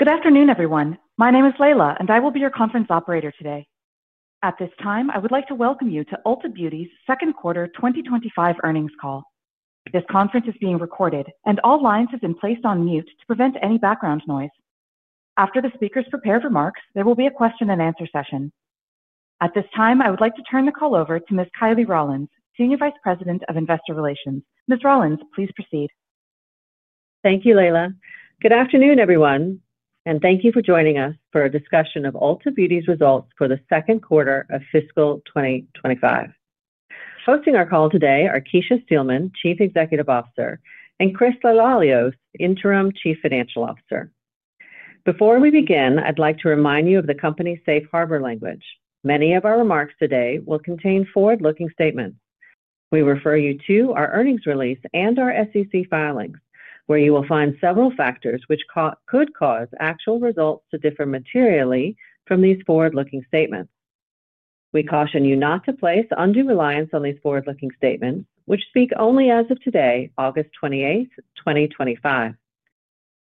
Good afternoon everyone. My name is Layla and I will be your conference operator today. At this time I would like to welcome you to Ulta Beauty's Second Quarter 2025 Earnings Call. This conference is being recorded and all lines have been placed on mute to prevent any background noise. After the speaker's prepared remarks, there will be a question-and-answer session. At this time I would like to turn the call over to Ms. Kiley Rawlins, Senior Vice President of Investor Relations. Ms. Rawlins, please proceed. Thank you, Layla. Good afternoon everyone and thank you for joining us for a discussion of Ulta Beauty's results for the second quarter of fiscal 2025. Hosting our call today are Kecia Steelman, Chief Executive Officer, and Chris Lialios, Interim Chief Financial Officer. Before we begin, I'd like to remind you of the company's safe harbor language. Many of our remarks today will contain forward-looking statements. We refer you to our earnings release and our SEC filings where you will find several factors which could cause actual results to differ materially from these forward-looking statements. We caution you not to place undue reliance on these forward-looking statements which speak only as of today, August 28, 2025.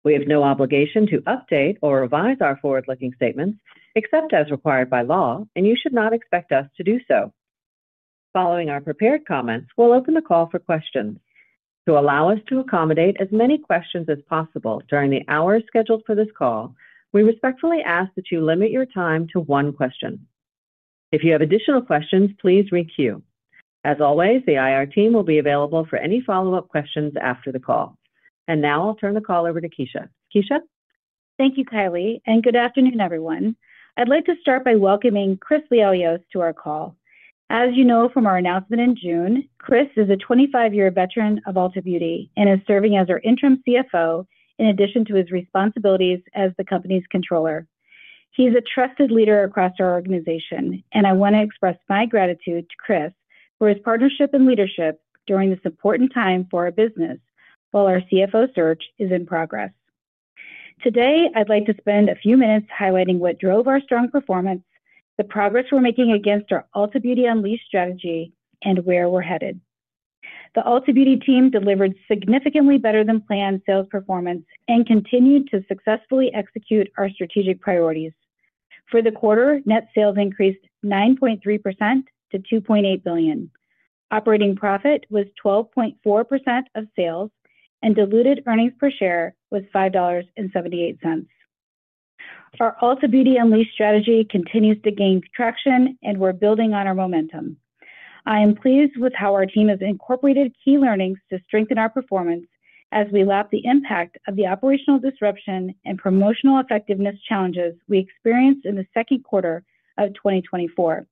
We have no obligation to update or revise our forward-looking statements except as required by law and you should not expect us to do so. Following our prepared comments, we'll open the call for questions. To allow us to accommodate as many questions as possible during the hour scheduled for this call, we respectfully ask that you limit your time to one question. If you have additional questions, please requeue. As always, the IR team will be available for any follow-up questions after the call. Now I'll turn the call over to Kecia. Thank you Kiley and good afternoon everyone. I'd like to start by welcoming Chris Lialios to our call. As you know from our announcement in June, Chris is a 25-year veteran of Ulta Beauty and is serving as our Interim CFO. In addition to his responsibilities as the company's Controller, he's a trusted leader across our organization and I want to express my gratitude to Chris for his partnership and leadership during this important time for our business. While our CFO search is in progress, today I'd like to spend a few minutes highlighting what drove our strong performance, the progress we're making against our Ulta Beauty Unleashed strategy, and where we're headed. The Ulta Beauty team delivered significantly better than planned sales performance and continued to successfully execute our strategic priorities for the quarter. Net sales increased 9.3% to $2.8 billion. Operating profit was 12.4% of sales and diluted earnings per share was $5.78. Our Ulta Beauty Unleashed strategy continues to gain traction and we're building on our momentum. I am pleased with how our team has incorporated key learnings to strengthen our performance as we lap the impact of the operational disruption and promotional effectiveness challenges we experienced in the second quarter of 2024.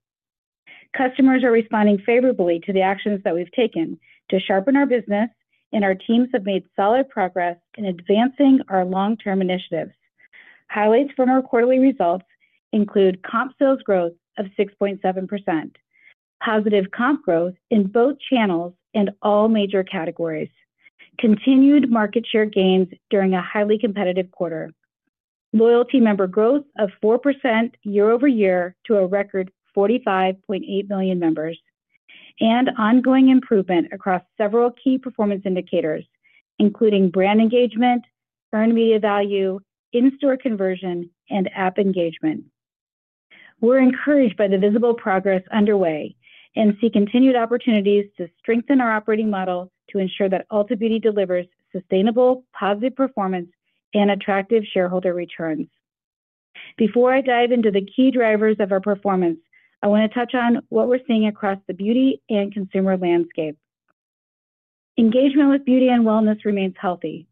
Customers are responding favorably to the actions that we've taken to sharpen our business and our teams have made solid progress in advancing our long term initiatives. Highlights from our quarterly results include comp sales growth of 6.7%, positive comp growth in both channels and all major categories, continued market share gains during a highly competitive quarter, loyalty member growth of 4% year-over-year to a record 45.8 million members, and ongoing improvement across several key performance indicators including brand engagement, earned media value, in store conversion, and app engagement. We're encouraged by the visible progress underway and see continued opportunities to strengthen our operating model to ensure that Ulta Beauty delivers sustainable, positive performance and attractive shareholder returns. Before I dive into the key drivers of our performance, I want to touch on what we're seeing across the beauty and consumer landscape. Engagement with beauty and wellness remains healthy.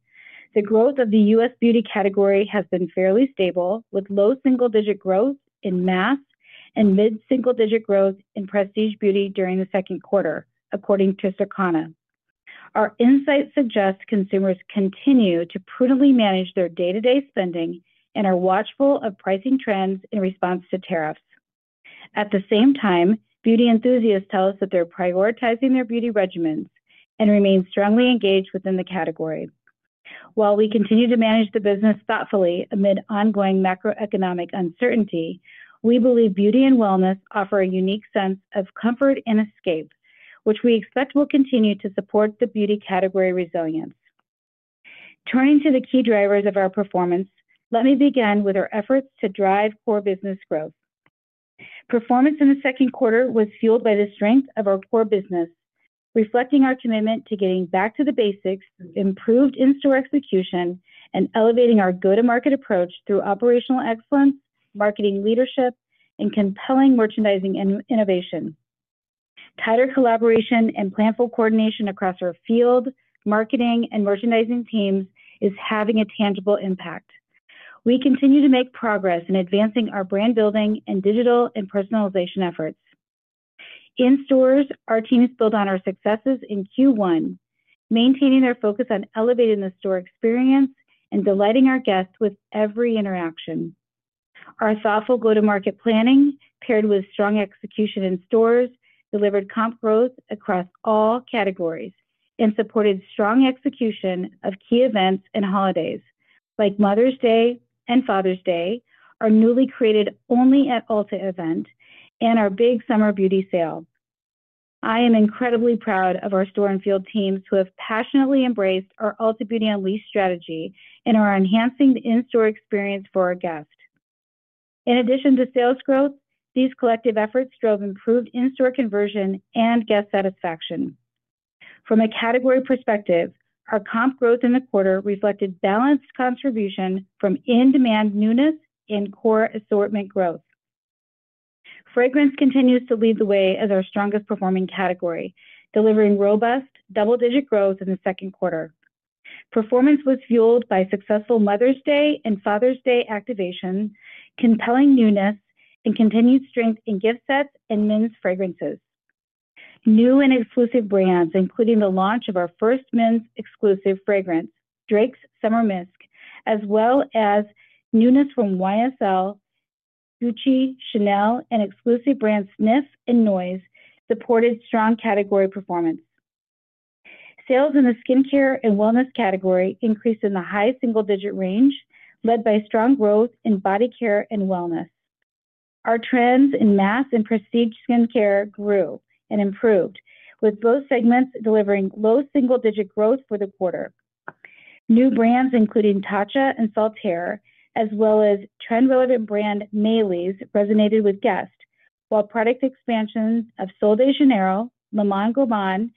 The growth of the U.S. beauty category has been fairly stable with low single-digit growth in mass and mid single-digit growth in prestige beauty during the second quarter, according to Circana. Our insight suggests consumers continue to prudently manage their day to day spending and are watchful of pricing trends in response to tariffs. At the same time, beauty enthusiasts tell us that they're prioritizing their beauty regimens and remain strongly engaged within the category while we continue to manage the business thoughtfully amid ongoing macroeconomic uncertainty. We believe beauty and wellness offer a unique sense of comfort and escape, which we expect will continue to support the beauty category resilience. Turning to the key drivers of our performance, let me begin with our efforts to drive core business growth. Performance in the second quarter was fueled by the strength of our core business, reflecting our commitment to getting back to the basics, improved in-store execution, and elevating our go-to-market approach through operational excellence, marketing leadership, and compelling merchandising and innovation. Tighter collaboration and planful coordination across our field, marketing, and merchandising teams is having a tangible impact. We continue to make progress in advancing our brand building and digital and personalization efforts. In stores, our teams build on our successes in Q1, maintaining their focus on elevating the store experience and delighting our guests with every interaction. Our thoughtful go-to-market planning, paired with strong execution in stores, delivered comp growth across all categories and supported strong execution of key events and holidays like Mother's Day and Father's Day, our newly created Only at Ulta event, and our big Summer Beauty sale. I am incredibly proud of our store and field teams who have passionately embraced our Ulta Beauty Unleashed strategy and are enhancing the in-store experience for our guests. In addition to sales growth, these collective efforts drove improved in-store conversion and guest satisfaction. From a category perspective, our comp growth in the quarter reflected balanced contribution from in-demand newness and core assortment growth. Fragrance continues to lead the way as our strongest performing category, delivering robust double-digit growth in the second quarter. Performance was fueled by successful Mother's Day and Father's Day activation, compelling newness, and continued strength in gift sets and men's fragrances. New and exclusive brands, including the launch of our first men's exclusive fragrance, Drake’s Summer Musk, as well as newness from YSL Beauty, Gucci, Chanel, and exclusive brands Snif and NOYZ, supported strong category performance. Sales in the skincare and wellness category increased in the high single-digit range, led by strong growth in body care and wellness. Our trends in mass and prestige skincare grew and improved, with both segments delivering low single-digit growth for the quarter. New brands, including Tatcha and Saltaire, as well as trend-relevant brand Maelove, resonated with guests, while product expansions of Sol de Janeiro, Le Monde Gourmand,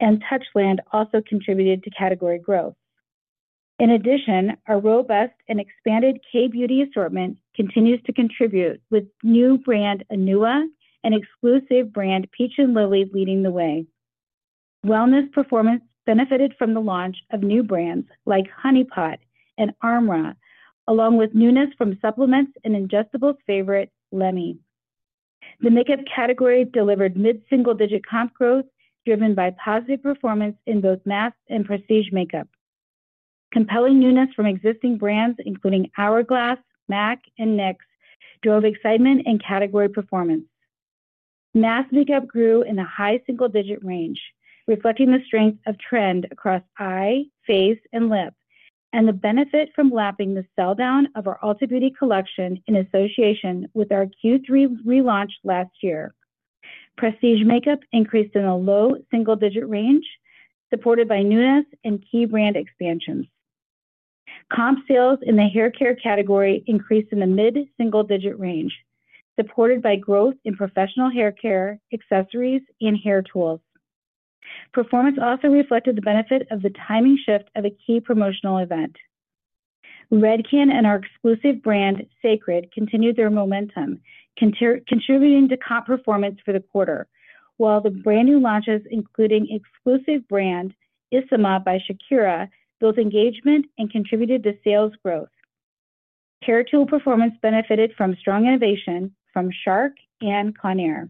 and Touchland also contributed to category growth. In addition, our robust and expanded K beauty assortment continues to contribute with new brand Anua and exclusive brand Peach & Lily leading the way. Wellness performance benefited from the launch of new brands like Honey Pot and Armra along with newness from supplements and ingestibles favorite Lemi. The makeup category delivered mid single-digit comp growth driven by positive performance in both mass and prestige makeup. Compelling newness from existing brands including Hourglass, MAC and Nyx drove excitement and category performance. Mass makeup grew in the high single-digit range reflecting the strength of trend across eye, face and lip and the benefit from lapping the sell down of our Ulta Beauty Collection in association with our Q3 relaunch last year. Prestige makeup increased in a low single-digit range supported by newness and key brand expansions. Comp sales in the hair care category increased in the mid single-digit range supported by growth in professional hair care, accessories and hair tools. Performance also reflected the benefit of the timing shift of a key promotional event. Redken and our exclusive brand Sacred continued their momentum and contributed to comp performance for the quarter while the brand new launches including exclusive brand isima by Shakira built engagement and contributed to sales growth. Care tool performance benefited from strong innovation from Shark and Conair.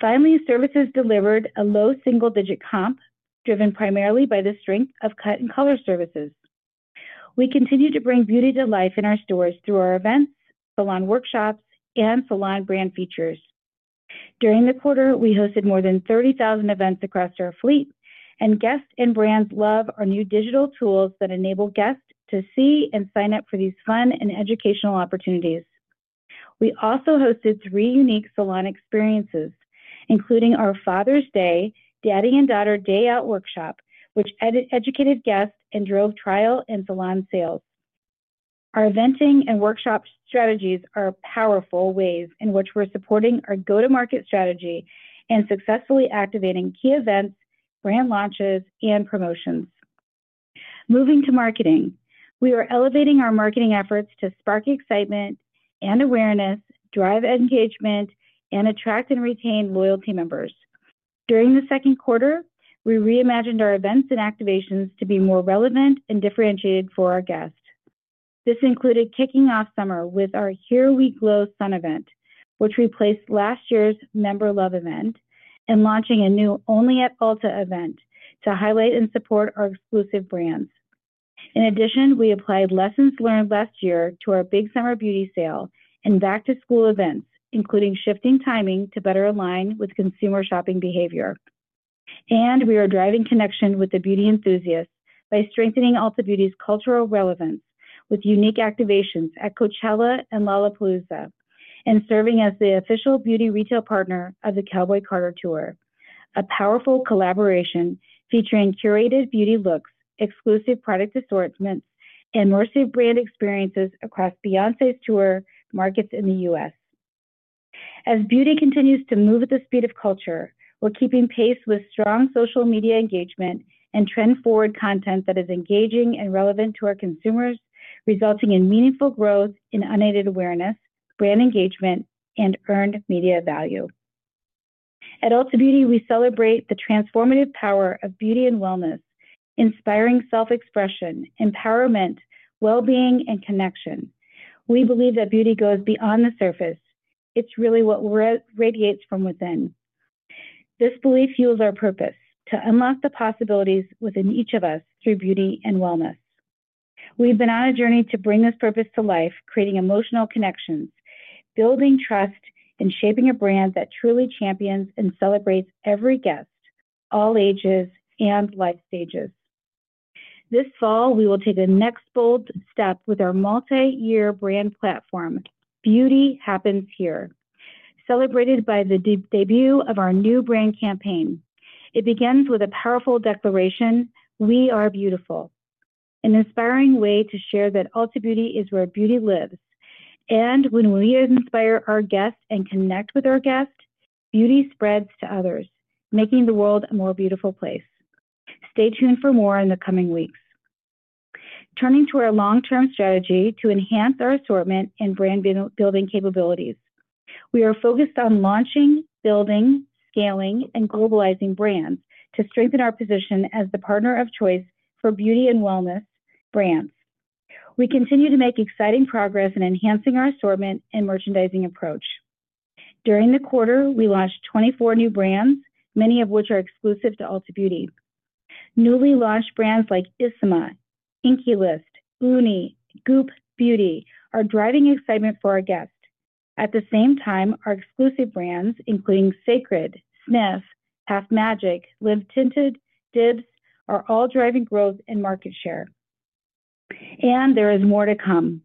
Finally, services delivered a low single-digit comp driven primarily by the strength of cut and color services. We continue to bring beauty to life in our stores through our events, salon workshops and salon brand features. During the quarter we hosted more than 30,000 events across our fleet and guests and brands love our new digital tools that enable guests to see and sign up for these fun and educational opportunities. We also hosted three unique salon experiences including our Father's Day Daddy and Daughter Day Out workshop which educated guests and drove trial and salon sales. Our eventing and workshop strategies are powerful ways in which we're supporting our go to market strategy and successfully activating key events, brand launches and promotions. Moving to marketing, we are elevating our marketing efforts to spark excitement and awareness, drive engagement and attract and retain loyalty members. During the second quarter, we reimagined our events and activations to be more relevant and differentiated for our guests. This included kicking off summer with our Here We Glow sun event, which replaced last year's Member Love event, and launching a new Only at Ulta event to highlight and support our exclusive brands. In addition, we applied lessons learned last year to our big summer beauty sale and back to school events, including shifting timing to better align with consumer shopping behavior. We are driving connection with the beauty enthusiast by strengthening Ulta Beauty's cultural relevance with unique activations at Coachella and Lollapalooza and serving as the official beauty retail partner of the Cowboy Carter Tour, a powerful collaboration featuring curated beauty looks, exclusive product assortments, and merch brand experiences across Beyoncé’s tour markets in the U.S. As beauty continues to move at the speed of culture, we're keeping pace with strong social media engagement and trend-forward content that is engaging and relevant to our consumers, resulting in meaningful growth in unaided awareness, brand engagement, and earned media value. At Ulta Beauty, we celebrate the transformative power of beauty and wellness, inspiring self-expression, empowerment, well-being, and connection. We believe that beauty goes beyond the surface; it's really what radiates from within. This belief fuels our purpose to unlock the possibilities within each of us through beauty and wellness. We've been on a journey to bring this purpose to life, creating emotional connections, building trust, and shaping a brand that truly champions and celebrates every guest, all ages and life stages. This fall, we will take the next bold step with our multi-year brand platform Beauty Happens Here, celebrated by the debut of our new brand campaign. It begins with a powerful declaration: we are beautiful. An inspiring way to share that Ulta Beauty is where beauty lives, and when we inspire our guests and connect with our guest, beauty spreads to others, making the world a more beautiful place. Stay tuned for more in the coming weeks. Turning to our long-term strategy to enhance our assortment and brand-building capabilities, we are focused on launching, building, scaling, and globalizing brands to strengthen our position as the partner of choice for beauty and wellness brands. We continue to make exciting progress in enhancing our assortment and merchandising approach. During the quarter, we launched 24 new brands, many of which are exclusive to Ulta Beauty. Newly launched brands like ISAMAYA, The INKEY List, Uni, Goop Beauty are driving excitement for our guests. At the same time, our exclusive brands including Sacred, Myth, Half Magic, Live Tinted, DIBS are all driving growth in market share and there is more to come.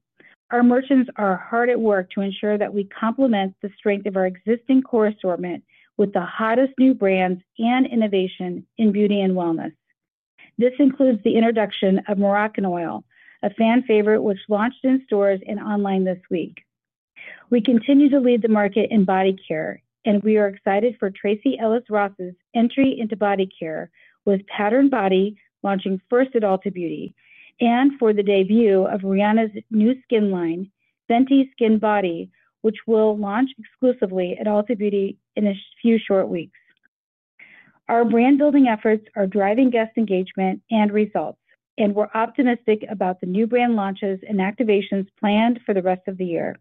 Our merchants are hard at work to ensure that we complement the strength of our existing core assortment with the hottest new brands and innovation in beauty and wellness. This includes the introduction of Moroccanoil, a fan favorite which launched in stores and online this week. We continue to lead the market in body care and we are excited for Tracee Ellis Ross's entry into body care with Pattern Body launching first at Ulta Beauty and for the debut of Rihanna's new skin line, Fenty Skin Body, which will launch exclusively at Ulta Beauty in a few short weeks. Our brand building efforts are driving guest engagement and results and we're optimistic about the new brand launches and activations planned for the rest of the year.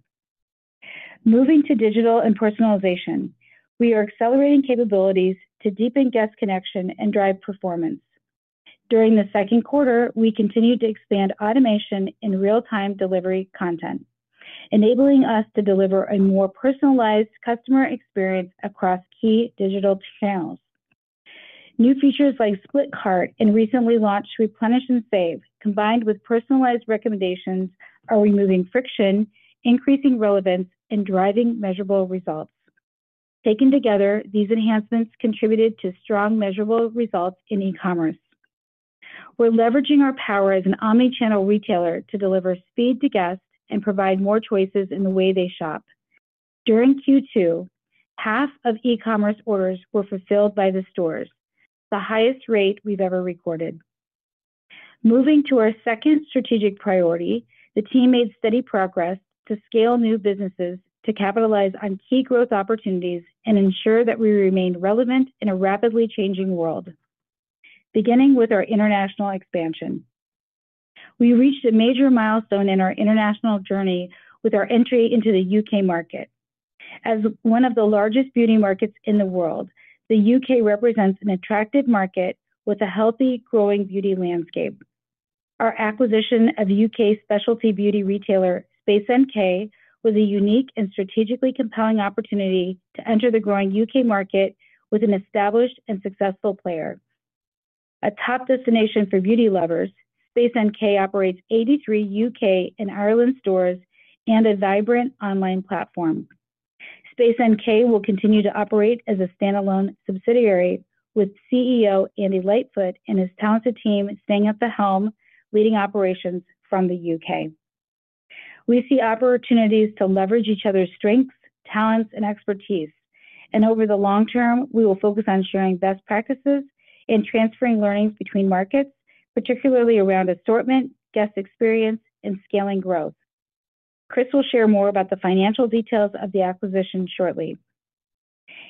Moving to digital and personalization, we are accelerating capabilities to deepen guest connection and drive performance. During the second quarter, we continued to expand automation in real-time delivery content, enabling us to deliver a more personalized customer experience across key digital channels. New features like Splitcart and recently launched Replenish & Save, combined with personalized recommendations, are removing friction, increasing relevance, and driving measurable results. Taken together, these enhancements contributed to strong measurable results in e-commerce. We're leveraging our power as an omnichannel retailer to deliver speed and provide more choices in the way they shop. During Q2, half of e-commerce orders were fulfilled by the stores, the highest rate we've ever recorded. Moving to our second strategic priority, the team made steady progress to scale new businesses to capitalize on key growth opportunities and ensure that we remain relevant in a rapidly changing world. Beginning with our international expansion, we reached a major milestone in our international journey with our entry into the U.K. market. As one of the largest beauty markets in the world, the U.K. represents an attractive market with a healthy, growing beauty landscape. Our acquisition of U.K. specialty beauty retailer Space NK was a unique and strategically compelling opportunity to enter the growing U.K. market with an established and successful player. A top destination for beauty lovers, Space NK operates 83 U.K. and Ireland stores and a vibrant online platform. Space NK will continue to operate as a standalone subsidiary with CEO Andy Lightfoot and his talented team staying at the helm, leading operations from the U.K. We see opportunities to leverage each other's strengths, talents, and expertise, and over the long term we will focus on sharing best practices and transferring learnings between markets, particularly around assortment, guest experience, and scaling growth. Chris will share more about the financial details of the acquisition shortly.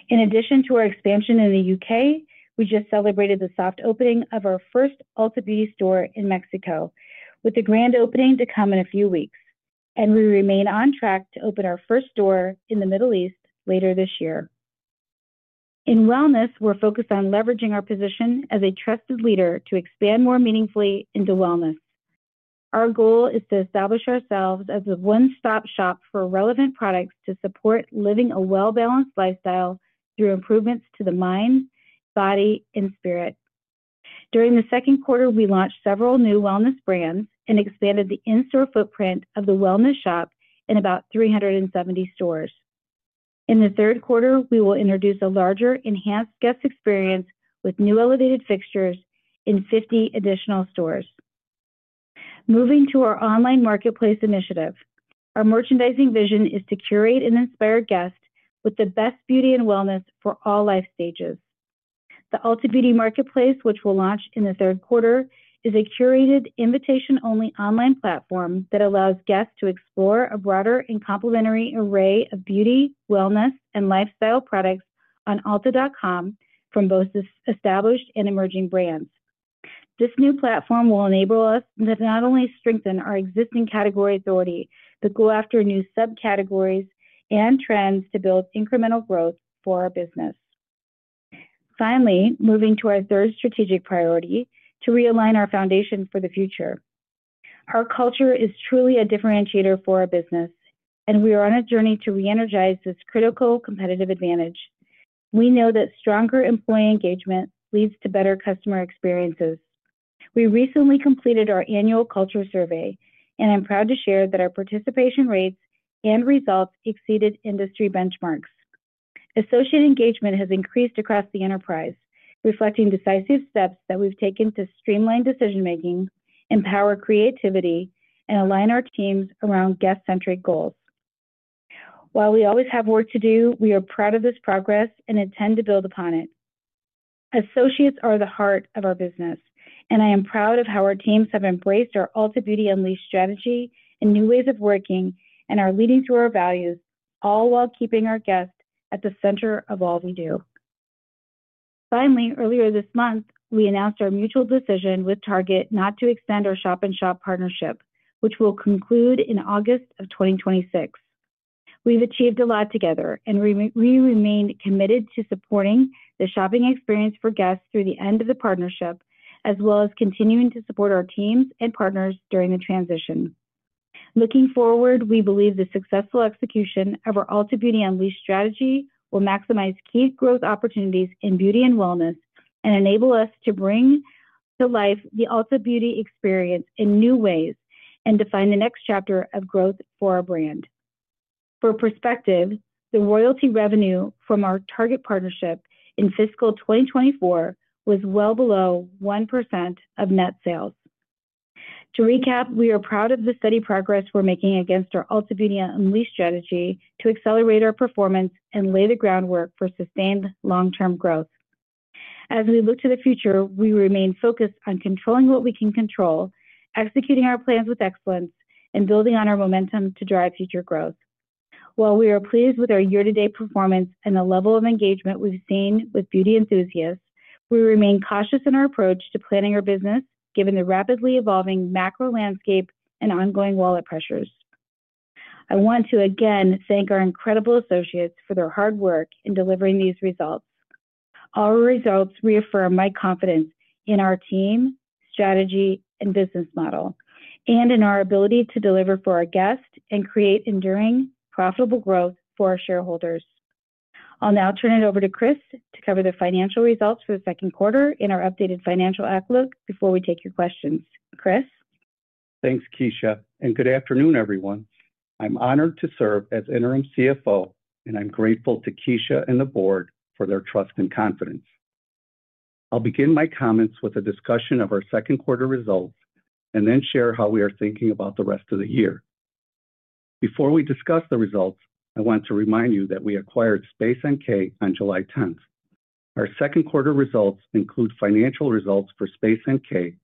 In addition to our expansion in the U.K., we just celebrated the soft opening of our first Ulta Beauty store in Mexico, with the grand opening to come in a few weeks, and we remain on track to open our first door in the Middle East later this year. In wellness, we're focused on leveraging our position as a trusted leader to expand more meaningfully into wellness. Our goal is to establish ourselves as a one-stop shop for relevant products to support living a well-balanced lifestyle through improvements to the mind, body, and spirit. During the second quarter, we launched several new wellness brands and expanded the in-store footprint of the Wellness shop in about 370 stores. In the third quarter, we will introduce a larger, enhanced guest experience with new elevated fixtures in 50 additional stores. Moving to our Online Marketplace initiative, our merchandising vision is to curate and inspire guests with the best beauty and wellness for all life stages. The Ulta Beauty Marketplace, which will launch in the third quarter, is a curated, invitation-only online platform that allows guests to explore a broader and complementary array of beauty, wellness, and lifestyle products on Ulta.com from both established and emerging brands. This new platform will enable us not only to strengthen our existing category authority, but go after new subcategories and trends to build incremental growth for our business. Finally, moving to our third strategic priority to realign our foundation for the future. Our culture is truly a differentiator for our business, and we are on a journey to re-energize this critical competitive advantage. We know that stronger employee engagement leads to better customer experiences. We recently completed our annual culture survey, and I'm proud to share that our participation rates and results exceeded industry benchmarks. Associate engagement has increased across the enterprise, reflecting decisive steps that we've taken to streamline decision making, empower creativity, and align our teams around guest-centric goals. While we always have work to do, we are proud of this progress and intend to build upon it. Associates are the heart of our business, and I am proud of how our teams have embraced our Ulta Beauty Unleashed strategy and new ways of working and are leading through our values, all while keeping our guests at the center of all we do. Finally, earlier this month we announced our mutual decision with Target not to extend our shop-in-shop partnership, which will conclude in August of 2026. We've achieved a lot together, and we remain committed to supporting the shopping experience for guests through the end of the partnership, as well as continuing to support our teams and partners during the transition. Looking forward, we believe the successful execution of our Ulta Beauty Unleashed strategy will maximize key growth opportunities in beauty and wellness and enable us to bring to life the Ulta Beauty Experience in new ways and define the next chapter of growth for our brand. For perspective, the royalty revenue from our Target partnership in fiscal 2024 was well below 1% of net sales. To recap, we are proud of the steady progress we're making against our Ulta Beauty Unleashed strategy to accelerate our performance and lay the groundwork for sustained long-term growth. As we look to the future, we remain focused on controlling what we can control, executing our plans with excellence, and building on our momentum to drive future growth. While we are pleased with our year-to-date performance and the level of engagement we've seen with beauty enthusiasts, we remain cautious in our approach to planning our business, given the rapidly evolving macro landscape and ongoing wallet pressures. I want to again thank our incredible associates for their hard work in delivering these results. Our results reaffirm my confidence in our team, strategy, and business model and in our ability to deliver for our guests and create enduring, profitable growth for our shareholders. I'll now turn it over to Chris to cover the financial results for the second quarter and our updated financial outlook before we take your questions. Chris, thanks Kecia, and good afternoon everyone. I'm honored to serve as Interim CFO, and I'm grateful to Kecia and the board for their trust and confidence. I'll begin my comments with a discussion of our second quarter results and then share how we are thinking about the rest of the year. Before we discuss the results, I want to remind you that we acquired Space NK on July 10. Our second quarter results include financial results for Space NK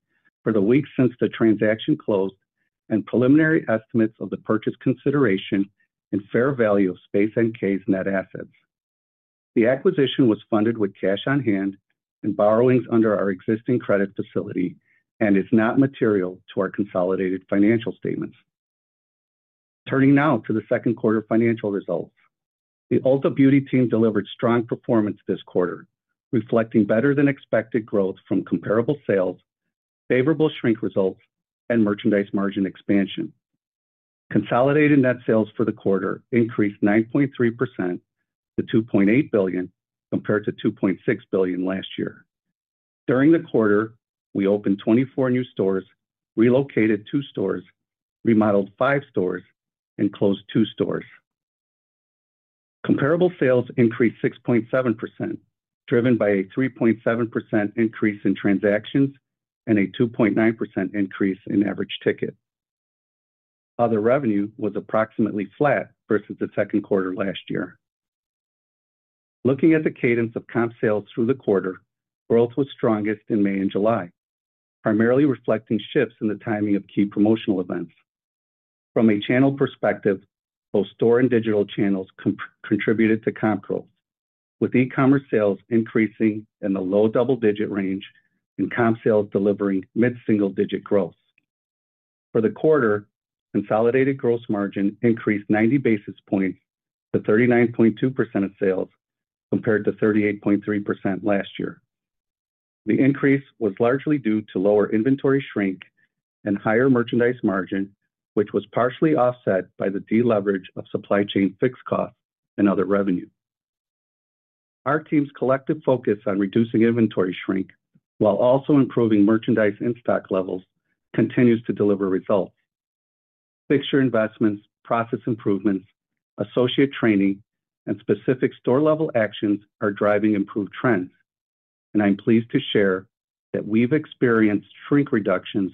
for the week since the transaction closed and preliminary estimates of the purchase consideration and fair value of Space NK's net assets. The acquisition was funded with cash on hand and borrowings under our existing credit facility and is not material to our consolidated financial statements. Turning now to the second quarter financial results, the Ulta Beauty team delivered strong performance this quarter, reflecting better than expected growth from comp sales, favorable shrink results, and merchandise margin expansion. Consolidated net sales for the quarter increased 9.3% to $2.8 billion compared to $2.6 billion last year. During the quarter, we opened 24 new stores, relocated two stores, remodeled five stores, and closed two stores. Comparable sales increased 6.7%, driven by a 3.7% increase in transactions and a 2.9% increase in average ticket. Other revenue was approximately flat versus the second quarter last year. Looking at the cadence of comp sales through the quarter, growth was strongest in May and July, primarily reflecting shifts in the timing of key promotional events. From a channel perspective, both store and digital channels contributed to comp growth, with e-commerce sales increasing in the low double-digit range and comp sales delivering mid single-digit growth for the quarter. Consolidated gross margin increased 90 basis points to 39.2% of sales compared to 38.3% last year. The increase was largely due to lower inventory shrink and higher merchandise margin, which was partially offset by the deleverage of supply chain fixed costs and other revenue. Our team's collective focus on reducing inventory shrink while also improving merchandise in-stock levels continues to deliver results. Fixture investments, process improvements, associate training, and specific store-level actions are driving improved trends, and I'm pleased to share that we've experienced shrink reductions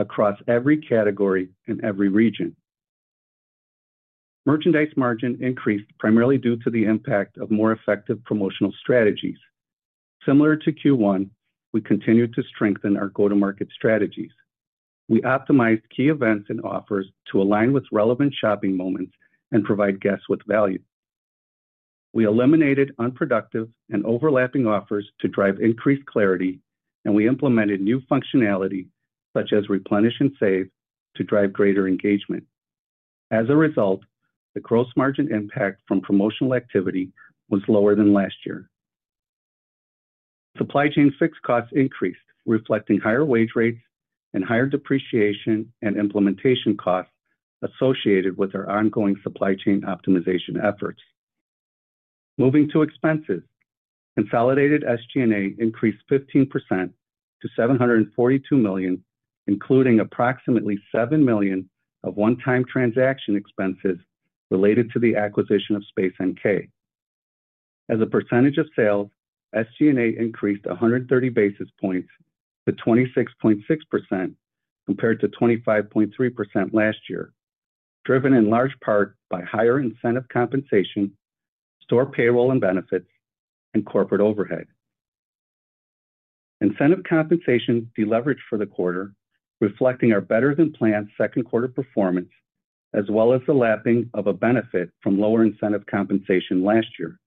across every category in every region. Merchandise margin increased primarily due to the impact of more effective promotional strategies. Similar to Q1, we continued to strengthen our go to market strategies. We optimized key events and offers to align with relevant shopping moments and provide guests with value. We eliminated unproductive and overlapping offers to drive increased clarity, and we implemented new functionality such as Replenish & Save to drive greater engagement. As a result, the gross margin impact from promotional activity was lower than last year. Supply chain fixed costs increased, reflecting higher wage rates and higher depreciation and implementation costs associated with our ongoing supply chain optimization efforts. Moving to expenses, consolidated SG&A increased 15% to $742 million, including approximately $7 million of one-time transaction expenses related to the acquisition of Space NK. As a percentage of sales, SG&A increased 130 basis points to 26.6% compared to 25.3% last year, driven in large part by higher incentive compensation, store payroll and benefits, and corporate overhead. Incentive compensation deleveraged for the quarter, reflecting our better than planned second quarter performance as well as the lapping of a benefit from lower incentive compensation last year.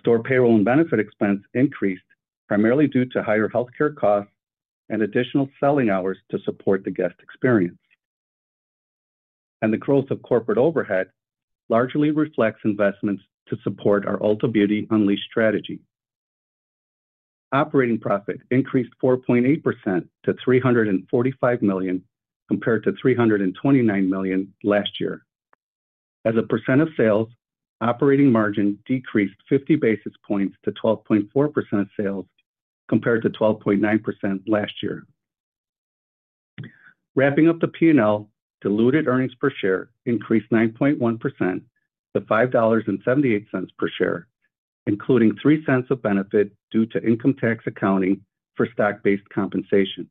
Store payroll and benefit expense increased primarily due to higher healthcare costs and additional selling hours to support the guest experience, and the growth of corporate overhead largely reflects investments to support our Ulta Beauty Unleashed strategy. Operating profit increased 4.8% to $345 million compared to $329 million last year. As a percent of sales, operating margin decreased 50 basis points to 12.4% compared to 12.9% last year. Wrapping up the P&L, diluted EPS increased 9.1% to $5.78 per share, including $0.03 of benefit due to income tax accounting for stock-based compensation.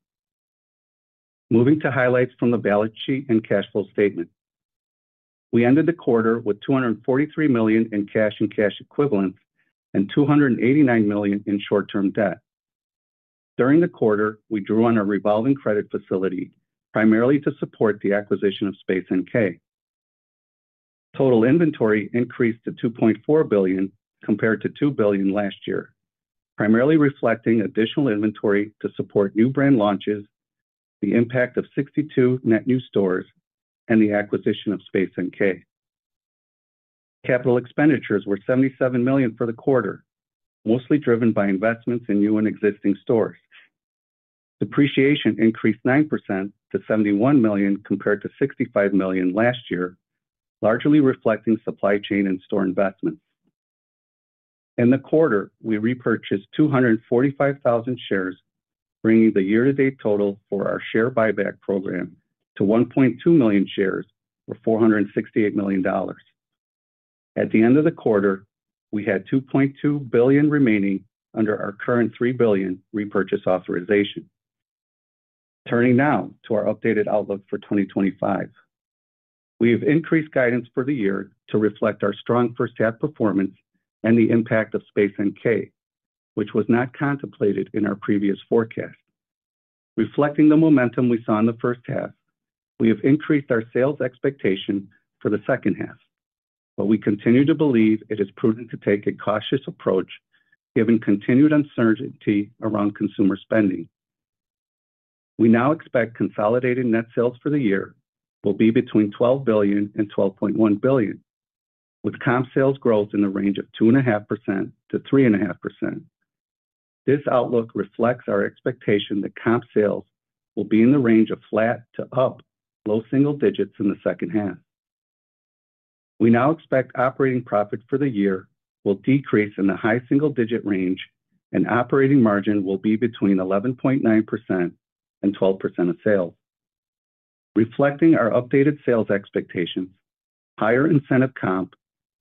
Moving to highlights from the balance sheet and cash flow statement, we ended the quarter with $243 million in cash and cash equivalents and $289 million in short-term debt. During the quarter, we drew on a revolving credit facility primarily to support the acquisition of Space NK. Total inventory increased to $2.4 billion compared to $2 billion last year, primarily reflecting additional inventory to support new brand launches, the impact of 62 net new stores, and the acquisition of Space NK. Capital expenditures were $77 million for the quarter, mostly driven by investments in new and existing stores. Depreciation increased 9% to $71 million compared to $65 million last year, largely reflecting supply chain and store investment. In the quarter, we repurchased 245,000 shares, bringing the year-to-date total for our share buyback program to 1.2 million shares or $468 million. At the end of the quarter, we had $2.2 billion remaining under our current $3 billion repurchase authorization. Turning now to our updated outlook for 2025, we have increased guidance for the year to reflect our strong first half performance and the impact of Space NK, which was not contemplated in our previous forecast. Reflecting the momentum we saw in the first half, we have increased our sales expectation for the second half, but we continue to believe it is prudent to take a cautious approach given continued uncertainty around consumer spending. We now expect consolidated net sales for the year will be between $12 billion and $12.1 billion with comp sales growth in the range of 2.5%-3.5%. This outlook reflects our expectation that comp sales will be in the range of flat to up low single-digits in the second half. We now expect operating profit for the year will decrease in the high single-digit range and operating margin will be between 11.9% and 12% of sales, reflecting our updated sales expectations, higher incentive comp,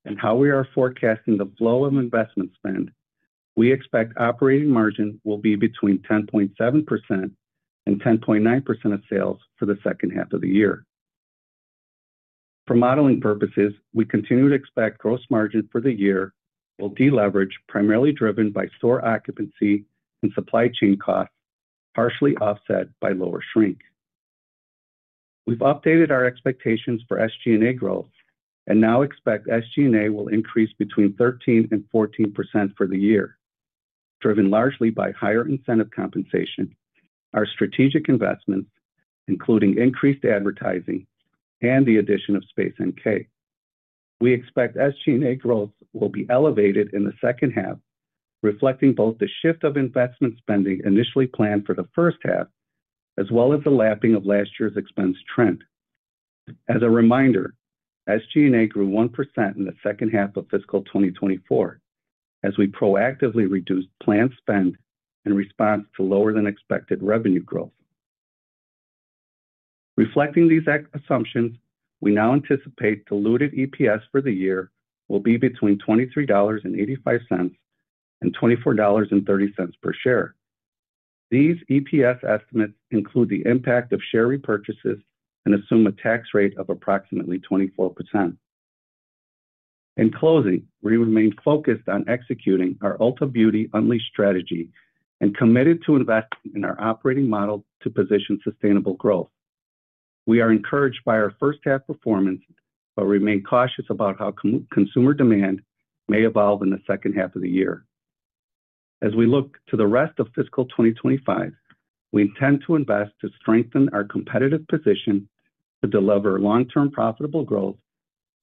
and how we are forecasting the flow of investment spend. We expect operating margin will be between 10.7% and 10.9% of sales for the second half of the year. For modeling purposes, we continue to expect gross margin for the year will deleverage, primarily driven by store occupancy and supply chain costs, partially offset by lower shrink. We've updated our expectations for SG&A growth and now expect SG&A will increase between 13% and 14% for the year, driven largely by higher incentive compensation, our strategic investment including increased advertising, and the addition of Space NK. We expect SG&A growth will be elevated in the second half, reflecting both the shift of investment spending initially planned for the first half as well as the lapping of last year's expense trend. As a reminder, SG&A grew 1% in the second half of fiscal 2024 as we proactively reduced planned spend in response to lower than expected revenue growth. Reflecting these assumptions, we now anticipate diluted EPS for the year will be between $23.85 and $24.30 per share. These EPS estimates include the impact of share repurchases and assume a tax rate of approximately 24%. In closing, we remain focused on executing our Ulta Beauty Unleashed strategy and committed to invest in our operating model to position sustainable growth. We are encouraged by our first half performance but remain cautious about how consumer demand may evolve in the second half of the year. As we look to the rest of fiscal 2025, we intend to invest to strengthen our competitive position to deliver long term profitable growth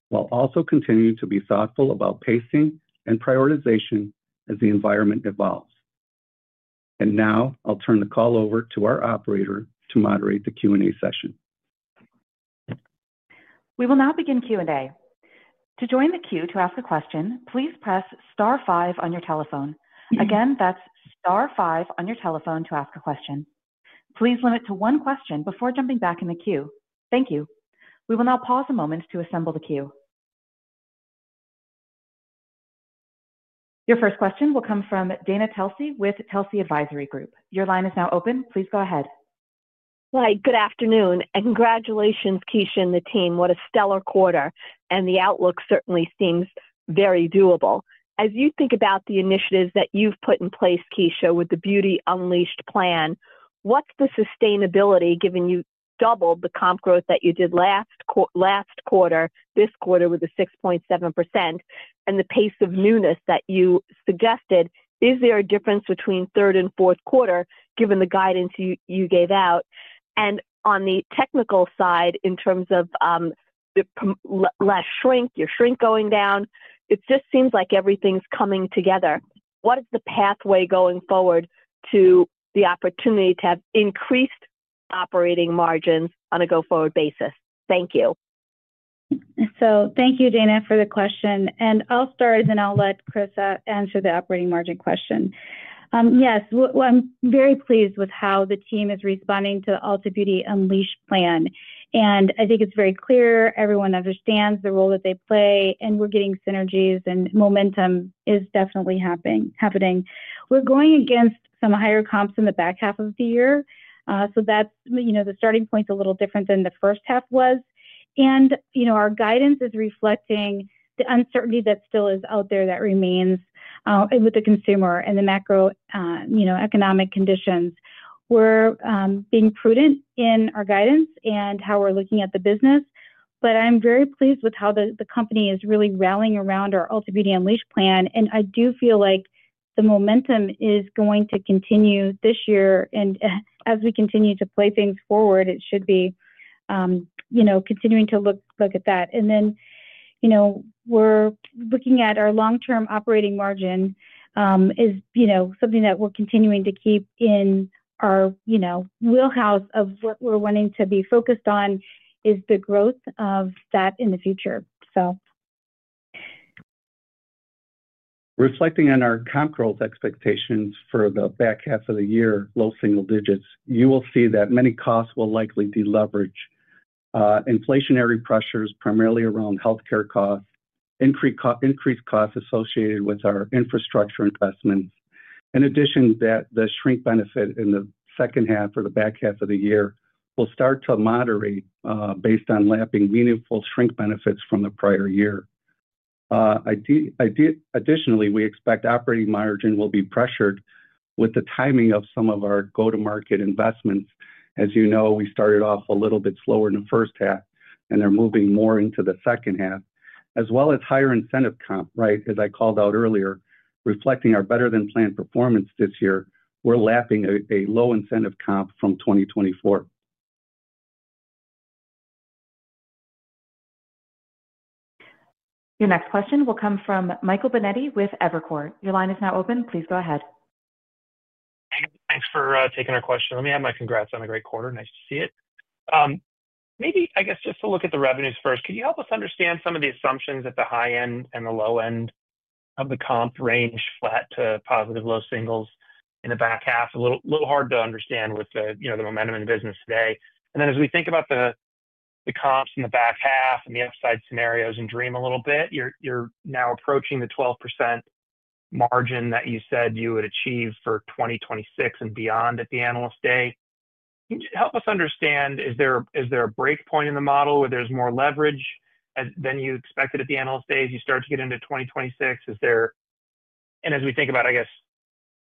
while also continue to be thoughtful about pacing and prioritization as the environment evolves. I'll turn the call over to our operator to moderate the Q&A session. We will now begin Q&A. To join the queue to ask a question, please press Star five on your telephone. Again, that's Star five on your telephone to ask a question. Please limit to one question before jumping back in the queue. Thank you. We will now pause a moment to assemble the queue. Your first question will come from Dana Telsey with Telsey Advisory Group. Your line is now open. Please go ahead. Right, good afternoon. Congratulations Kecia and the team. What a stellar quarter and the outlook certainly seems very doable as you think about the initiatives that you've put in place. Kecia, with the Beauty Unleashed plan, what's the sustainability given you doubled the comp growth that you did last quarter, this quarter with a 6.7% and the pace of newness that you suggested? Is there a difference between third and fourth quarter, given the guidance you gave out, and on the technical side in terms of less shrink, your shrink going down, it just seems like everything's coming together. What is the pathway going forward to the opportunity to have increased operating margins on a go forward basis? Thank you. Thank you, Dana, for the question and I'll start and I'll let Chris answer the operating margin question. Yes, I'm very pleased with how the team is responding to the Ulta Beauty Unleash plan. I think it's very clear everyone understands the role that they play and we're getting synergies and momentum is definitely happening. We're going against some higher comps in the back half of the year so the starting point's a little different than the first half was. Our guidance is reflecting the uncertainty that still is out there that remains with the consumer and the macroeconomic conditions. We're being prudent in our guidance and how we're looking at the business. I'm very pleased with how the company is really rallying around our Ulta Beauty Unleash plan. I do feel like the momentum is going to continue this year and as we continue to play things forward, it should be continuing to look at that. We're looking at our long term operating margin as something that we're continuing to keep in our wheelhouse of what we're wanting to be focused on, is the growth of that in the future. Reflecting on our comp growth expectations for the back half of the year, low single-digits, you will see that many costs will likely deleverage. Inflationary pressures are primarily around health care costs and increased costs associated with our infrastructure investment. In addition, the shrink benefit in the second half or the back half of the year will start to moderate based on lapping meaningful shrink benefits from the prior year. Additionally, we expect operating margin will be pressured with the timing of some of our go to market investments. As you know, we started off a little bit slower in the first half and they're moving more into the second half as well as higher incentive comp. As I called out earlier, reflecting our better than planned performance this year, we're lapping a low incentive comp from 2024. Your next question will come from Michael Benetti with Evercore. Your line is now open. Please go ahead. Thanks for taking our question. Let me add my congrats on a great quarter. Nice to see it. Maybe, I guess just to look at the revenues first, could you help us understand some of the assumptions at the high end and the low end of the comp range? Flat to positive low singles in the back half. A little hard to understand with the momentum in the business today. As we think about the comps in the back half and the upside scenarios and dream a little bit, you're now approaching the 12% margin that you said you would achieve for 2026 and beyond at the analyst day. Help us understand, is there a break point in the model where there's more leverage than you expected at the analyst day as you start to get into 2026? Is there? As we think about, I guess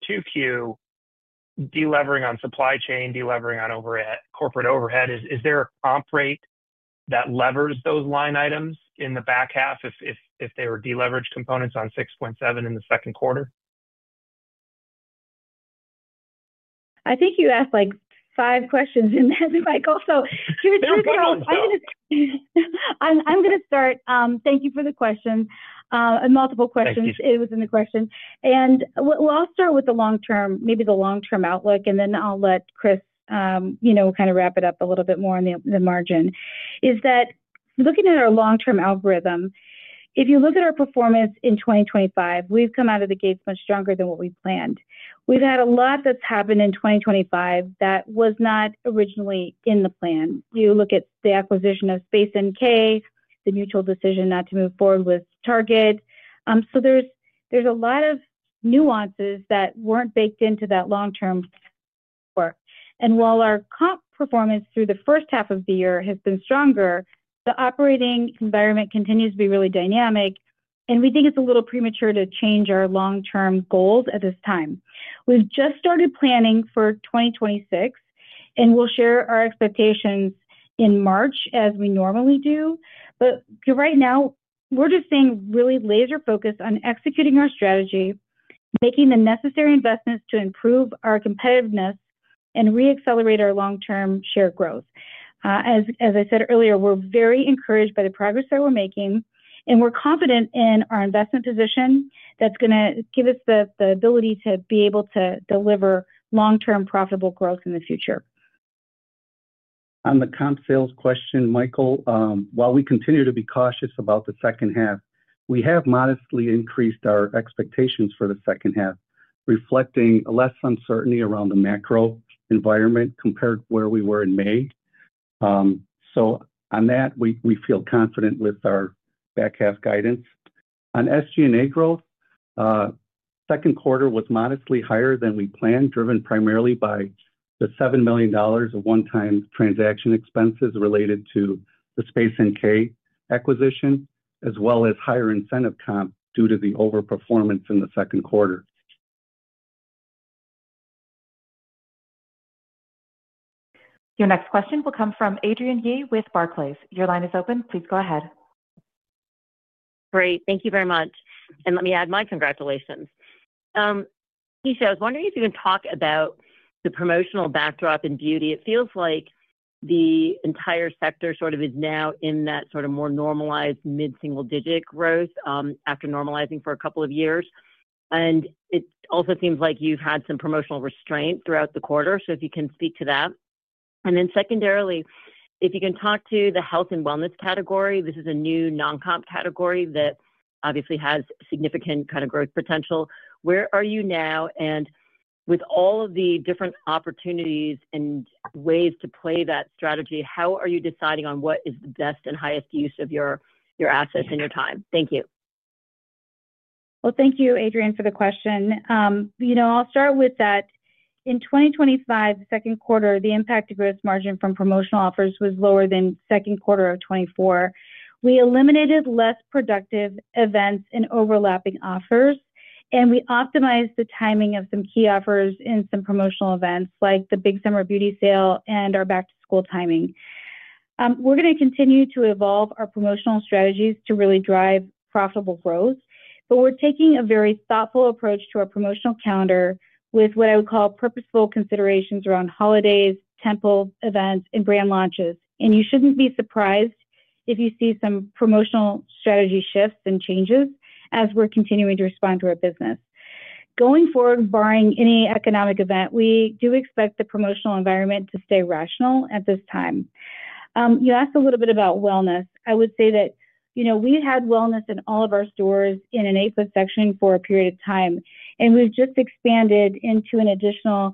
2Q delevering on supply chain, delevering on over corporate overhead, is there a comp rate that levers those line items in the back half if they were deleveraged components on $6.7 million in the second quarter? I think you asked like five questions in that, Michael. Here I'm going to start. Thank you for the question. Multiple questions. It was in the question and with the long term, maybe the long-term outlook and then I'll let Chris, you know, kind of wrap it up a little bit more on the margin. Looking at our long-term algorithm, if you look at our performance in 2025, we've come out of the gates much stronger than what we planned. We've had a lot that's happened in 2025 that was not originally in the plan. You look at the acquisition of Space NK, the mutual decision not to move forward with Target. There are a lot of nuances that weren't baked into that long-term work. While our comp performance through the first half of the year has been stronger, the operating environment continues to be really dynamic and we think it's a little premature to change our long-term goals at this time. We've just started planning for 2026 and we'll share our expectations in March as we normally do. Right now we're just staying really laser focused on executing our strategy, making the necessary investments to improve our competitiveness and reaccelerate our long-term share growth. As I said earlier, we're very encouraged by the progress that we're making and we're confident in our investment position that's going to give us the ability to be able to deliver long-term profitable growth in the future. On the comp sales question, Michael, while we continue to be cautious about the second half, we have modestly increased our expectations for the second half, reflecting less uncertainty around the macro environment compared to where we were in May. We feel confident with our back half guidance on SG&A, and growth in the second quarter was modestly higher than we planned, driven primarily by the $7 million of one-time transaction expenses related to the Space NK acquisition as well as higher incentive comp due to the overperformance in the second quarter. Your next question will come from Adrienne Yih with Barclays. Your line is open. Please go ahead. Great. Thank you very much and let me add my congratulations. I was wondering if you can talk about the promotional backdrop in beauty. It feels like the entire sector sort of is now in that sort of more normalized mid single-digit growth after normalizing for a couple of years. It also seems like you've had some promotional restraint throughout the quarter. If you can speak to that and then secondarily if you can talk to the health and wellness category, this is a new non comp category that obviously has significant kind of growth potential. Where are you now and with all of the different opportunities and ways to play that strategy, how are you deciding on what is the best and highest use of your assets and your time? Thank you. Thank you Adrienne for the question. I'll start with that. In 2025, the second quarter, the impact of gross margin from promotional offers was lower than second quarter of 2024. We eliminated less productive events and overlapping offers, and we optimized the timing of some key offers in some promotional events like the big summer beauty sale and our back to school timing. We're going to continue to evolve our promotional strategies to really drive profitable growth. We're taking a very thoughtful approach to our promotional calendar with what I would call purposeful considerations around holidays, tentpole events, and brand launches. You shouldn't be surprised if you see some promotional strategy shifts and changes as we're continuing to respond to our business going forward. Barring any economic event, we do expect the promotional environment to stay rational at this time. You asked a little bit about wellness. I would say that we had wellness in all of our stores in an eight foot section for a period of time. We've just expanded into an additional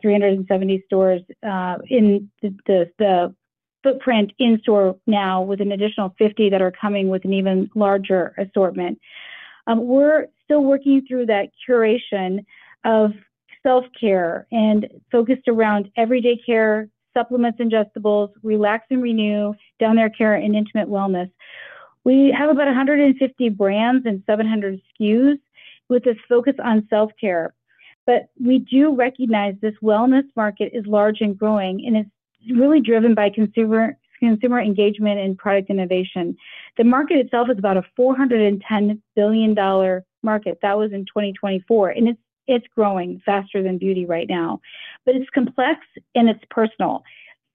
370 stores in the footprint in store now with an additional 50 that are coming with an even larger assortment. We're still working through that curation of self care and focused around everyday care, supplements, ingestibles, relax and renew, down there care, and intimate wellness. We have about 150 brands and 700 SKUs with this focus on self care. We do recognize this wellness market is large and growing and it's really driven by consumer engagement and product innovation. The market itself is about a $410 billion market that was in 2024 and it's growing faster than beauty right now. It is complex and it's personal.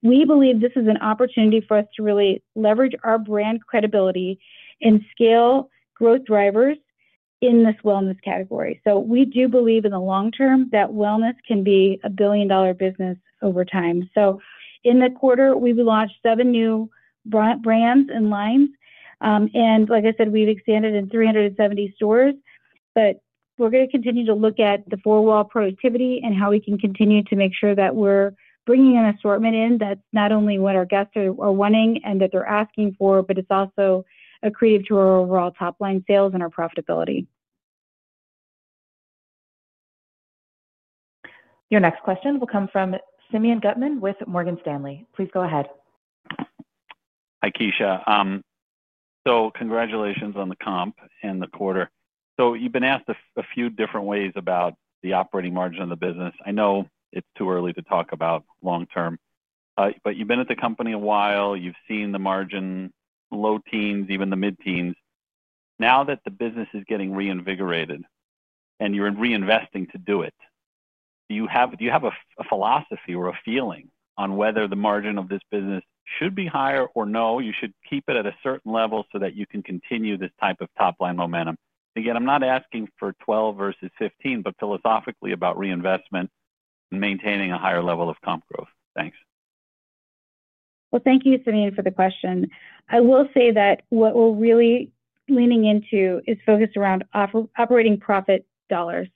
We believe this is an opportunity for us to really leverage our brand credibility and scale growth drivers in this wellness category. We do believe in the long-term that wellness can be a billion dollar business over time. In the quarter we launched seven new brands and lines and like I said, we've expanded in 370 stores. We are going to continue to look at the four wall productivity and how we can continue to make sure that we're bringing an assortment in that not only what our guests are wanting and that they're asking for, but it's also accretive to our overall top line sales and our profitability. Your next question will come from Simeon Gutman with Morgan Stanley. Please go ahead. Hi Kecia. Congratulations on the comp and the quarter. You have been asked a few different ways about the operating margin of the business. I know it's too early to talk about long term, but you have been at the company a while, you have seen the margin low teens, even the mid teens. Now that the business is getting reinvigorated and you're reinvesting to do it, do you have a philosophy or a feeling on whether the margin of this business should be higher or you should keep it at a certain level so that you can continue this type of top line momentum? I'm not asking for 12% versus 15%, but philosophically about reinvestment maintaining a higher level of comp growth. Thanks. Thank you, Sabine, for the question. I will say that what we're really leaning into is focused around operating profit dollars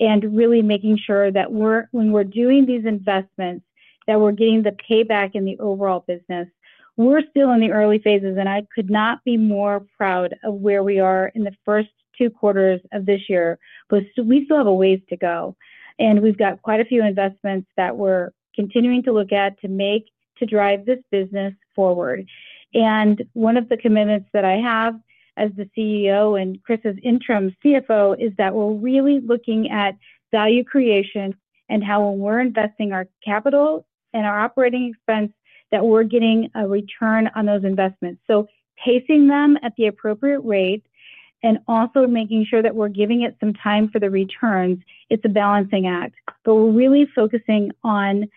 and really making sure that when we're doing these investments that we're getting the payback in the overall business. We're still in the early phases, and I could not be more proud of where we are in the first two quarters of this year. We still have a ways to go, and we've got quite a few investments that we're continuing to look at to make to drive this business forward. One of the commitments that I have as the CEO and Chris's Interim CFO is that we're really looking at value creation and how when we're investing our capital and our operating expense that we're getting a return on those investments. Pacing them at the appropriate rate and also making sure that we're giving it some time for the returns is a balancing act, but we're really focusing on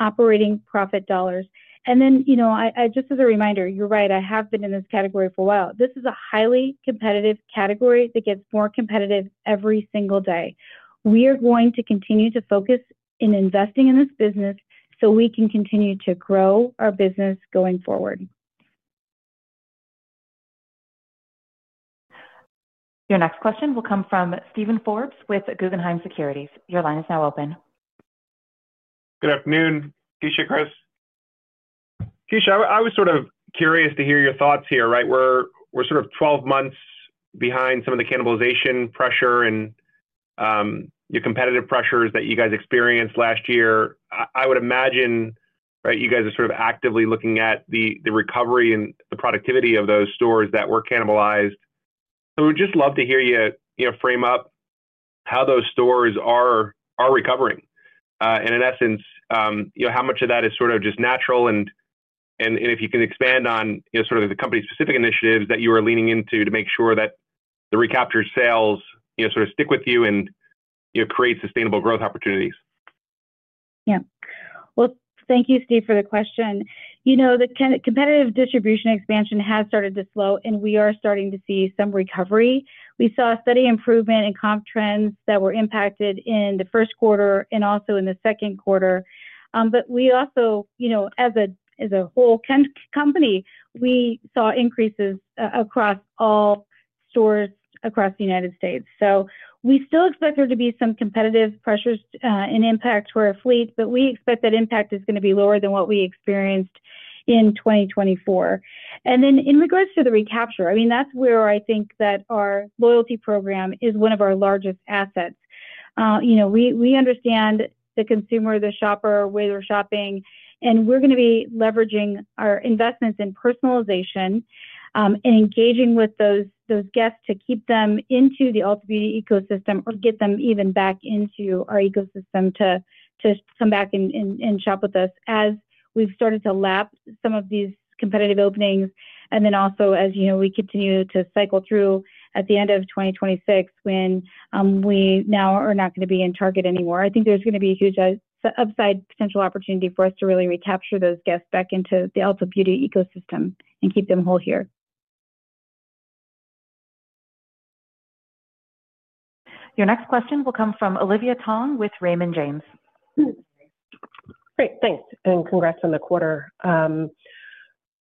operating profit dollars. Just as a reminder, you're right, I have been in this category for a while. This is a highly competitive category that gets more competitive every single day. We are going to continue to focus in investing in this business so we can continue to grow our business going forward. Your next question will come from Steven Forbes with Guggenheim Securities. Your line is now open. Good afternoon, Kecia. Chris. Kecia, I was sort of curious to hear your thoughts here. We're sort of 12 months behind some of the cannibalization pressure and your competitive pressures that you guys experienced last year, I would imagine. You guys are sort of actively looking at the recovery and the productivity of those stores that were cannibalized. We'd just love to hear you frame up how those stores are recovering and, in essence, how much of that is sort of just natural and if you can expand on the company specific initiatives that you are leaning into to make sure that the recapture sales sort of stick with you and, you know, create sustainable growth opportunities. Thank you, Steve, for the question. The competitive distribution expansion has started to slow and we are starting to see some recovery. We saw a steady improvement in comp trends that were impacted in the first quarter and also in the second quarter. As a whole company, we saw increases across all stores across the United States. We still expect there to be some competitive pressures and impact for our fleet, but we expect that impact is going to be lower than what we experienced in 2024. In regards to the recapture, that's where I think that our loyalty program is one of our largest assets. We understand the consumer, the shopper, where they're shopping, and we're going to be leveraging our investments in personalization and engaging with those guests to keep them in the Ulta Beauty ecosystem or get them even back into our ecosystem to come back and shop with us as we've started to lap some of these competitive openings. Also, we continue to cycle through at the end of 2026 when we are not going to be in Target anymore. I think there's going to be a huge upside potential opportunity for us to really recapture those guests back into the Ulta Beauty ecosystem and keep them whole here. Your next question will come from Olivia Tong with Raymond James. Great, thanks. Congrats on the quarter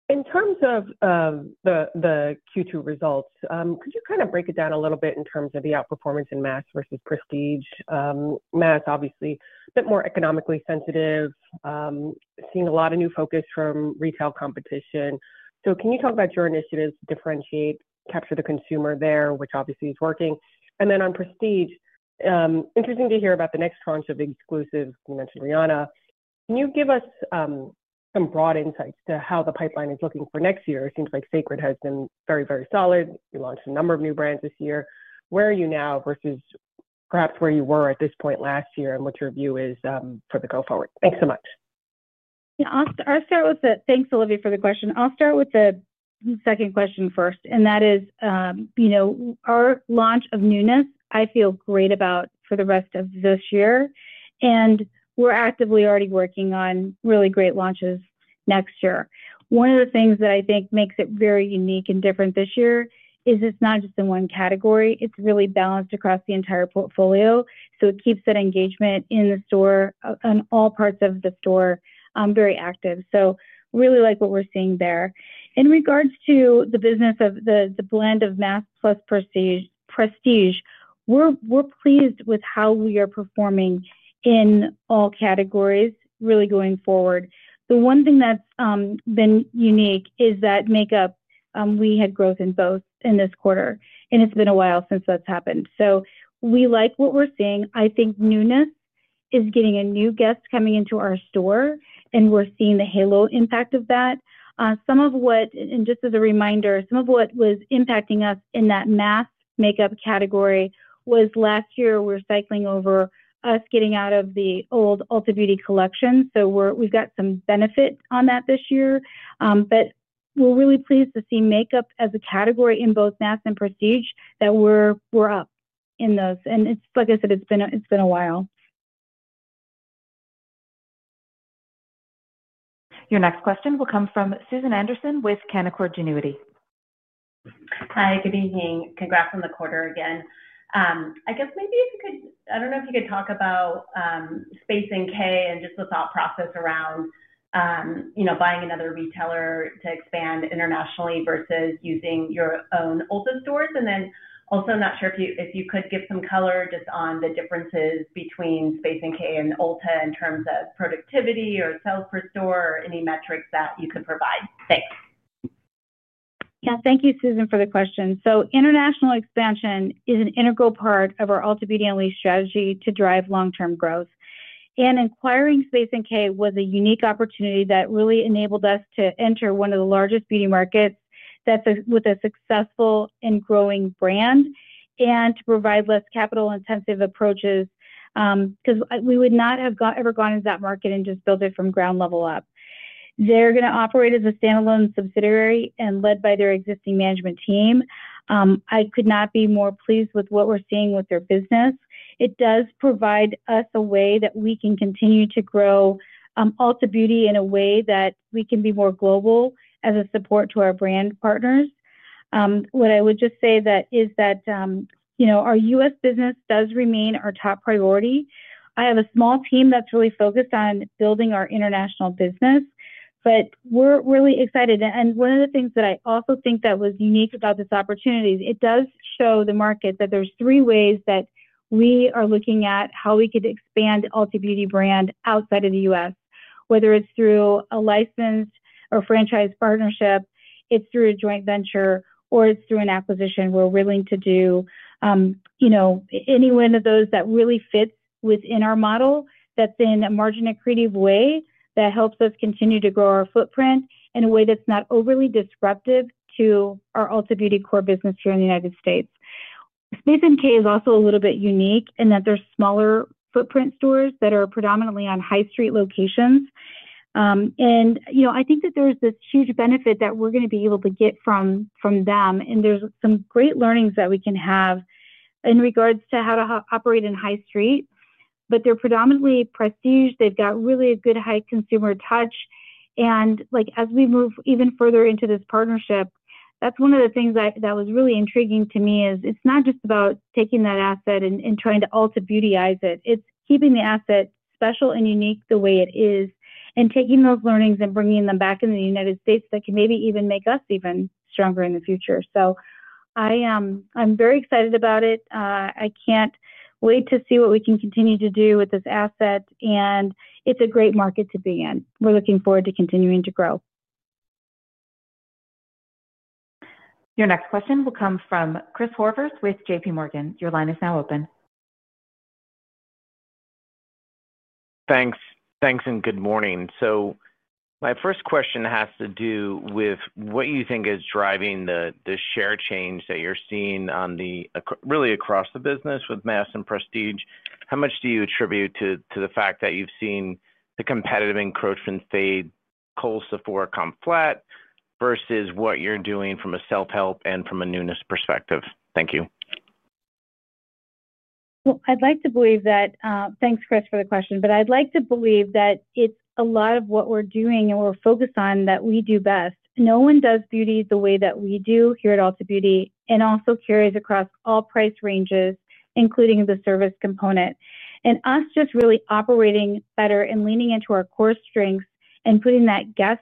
in terms of the Q2 results. Could you break it down a little bit in terms of the outperformance in Mass vs Prestige? Mass is obviously a bit more economically sensitive. Seeing a lot of new focus from retail competition. Can you talk about your initiatives to differentiate and capture the consumer there, which obviously is working? On prestige, interesting to hear about the next tranche of exclusives you mentioned. Rihanna, can you give us some broad insight to how the pipeline is looking for next year? It seems like Sacred has been very, very solid. You launched a number of new brands this year. Where are you now versus perhaps where you were at this point last year and what your view is for the go forward? Thanks so much. I'll start with that. Thanks, Olivia, for the question. I'll start with the second question first, and that is, our launch of newness I feel great about for the rest of this year. We're actively already working on really great launches next year. One of the things that I think makes it very unique and different this year is it's not just in one category. It's really balanced across the entire portfolio. It keeps that engagement in the store on all parts of the store very active. I really like what we're seeing there in regards to the business of the blend of mass plus prestige. Prestige, we're pleased with how we are performing in all categories, really, going forward. The one thing that's been unique is that makeup. We had growth in both in this quarter, and it's been a while since that's happened. I like what we're seeing. I think newness is getting a new guest coming into our store, and we're seeing the halo impact of that. Just as a reminder, some of what was impacting us in that mass makeup category was last year. We're cycling over us getting out of the old Ulta Beauty collection, so we've got some benefit on that this year. I'm really pleased to see makeup as a category in both mass and prestige, that we're up in those. Like I said, it's been a while. Your next question will come from Susan Anderson with Canaccord Genuity. Hi. Good evening. Congrats on the quarter again. I guess maybe if you could. I don't know if you could talk about Space NK and just the thought process around, you know, buying another retailer to expand internationally versus using your own Ulta stores. Also, not sure if you could give some color just on the differences between Space NK and Ulta in terms of productivity or sales per store or any metrics that you could provide. Thanks. Yeah Thank you Susan for the question. International expansion is an integral part of our Ulta Beauty strategy to drive long term growth and acquiring Space NK was a unique opportunity that really enabled us to enter one of the largest beauty markets with a successful and growing brand and to provide less capital intensive approaches because we would not have ever gone into that market and just built it from ground level up. They're going to operate as a standalone subsidiary and led by their existing management team. I could not be more pleased with what we're seeing with their business. It does provide us a way that we can continue to grow Ulta Beauty in a way that we can be more global as a support to our brand partners. What I would just say is that our U.S. business does remain our top priority. I have a small team that's really focused on building our international business, but we're really excited. One of the things that I also think that was unique about this opportunity, it does show the market that there's three ways that we are looking at how we could expand Ulta Beauty brand outside of the U.S., whether it's through a licensed or franchise partnership, it's through a joint venture, or it's through an acquisition. We're willing to do any one of those that really fits within our model that's in a margin accretive way that helps us continue to grow our footprint in a way that's not overly disruptive to our Ulta Beauty core business here in the United States. Space NK is also a little bit unique in that there's smaller footprint stores that are predominantly on high street locations. I think that there's this huge benefit that we're going to be able to get from them. There's some great learnings that we can have in regards to how to operate in high street. They're predominantly prestige. They've got really a good high consumer touch. As we move even further into this partnership, that's one of the things that was really intriguing to me. It's not just about taking that asset and trying to Ulta Beauty-ize it. It's keeping the asset special and unique the way it is and taking those learnings and bringing them back into the United States that can maybe even make us even stronger in the future. I'm very excited about it. I can't wait to see what we can continue to do with this asset and it's a great market to be in. We're looking forward to continuing to grow. Your next question will come from Chris Horvers with JPMorgan. Your line is now open. Thanks and good morning. My first question has to do with what you think is driving the share change that you're seeing really across the business with mass and prestige. How much do you attribute to the fact that you've seen the competitive encroachment fade, Kohl's, Sephora come flat, versus what you're doing from a self-help and from a newness perspective? Thank you. I'd like to believe that. Thanks Chris for the question, but I'd like to believe that it's a lot of what we're doing and we're focused on what we do best. No one does beauty the way that we do here at Ulta Beauty and also carries across all price ranges, including the service component and us just really operating better and leaning into our core strengths and putting that guest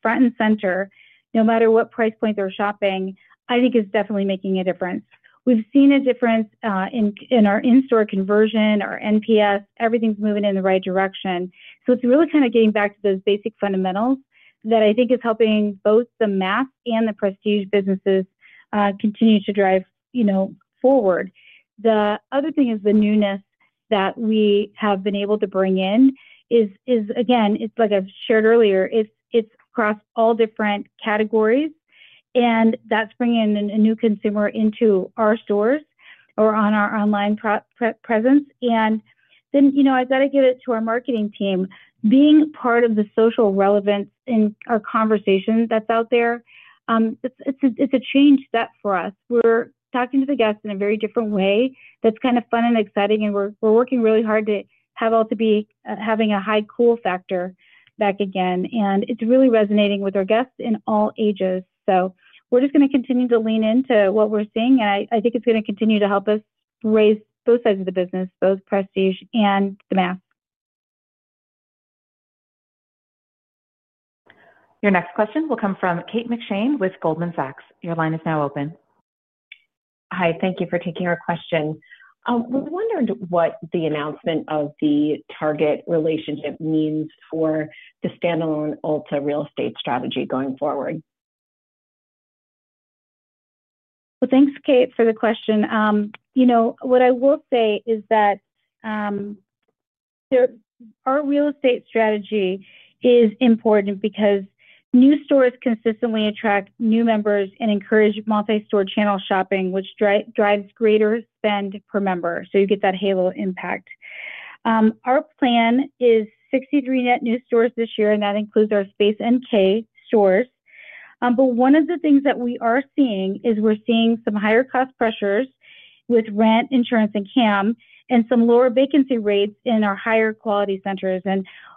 front and center no matter what price point they're shopping. I think it's definitely making a difference. We've seen a difference in our in-store conversion, our NPS. Everything's moving in the right direction. It's really kind of getting back to those basic fundamentals that I think is helping both the mass and the prestige businesses continue to drive forward. The other thing is the newness that we have been able to bring in is, again, like I've shared earlier, it's across all different categories and that's bringing in a new consumer into our stores or on our online presence. I gotta give it to our marketing team being part of the social relevance in our conversation that's out there. It's a change set for us. We're talking to the guests in a very different way that's kind of fun and exciting and we're working really hard to have Ulta Beauty having a high cool factor back again and it's really resonating with our guests in all ages. We're just going to continue to lean into what we're seeing and I think it's going to continue to help us raise both sides of the business, both prestige and mass. Your next question will come from Kate McShane with Goldman Sachs. Your line is now open. Hi. Thank you for taking our question. We wondered what the announcement of the Target relationship means for the standalone Ulta Beauty real estate strategy going forward. Thanks Kate for the question. You know what I will say is that our real estate strategy is important because new stores consistently attract new members and encourage multi-store channel shopping, which drives greater spend per member. You get that halo impact. Our plan is 63 net new stores this year and that includes our Space NK stores. One of the things that we are seeing is we're seeing some higher cost pressures with rent, insurance, and CAM and some lower vacancy rates in our higher quality centers.